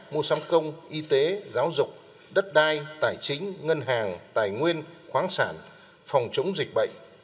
mua sắm công y tế giáo dục đất đai tài chính ngân hàng tài nguyên khoáng sản phòng chống dịch bệnh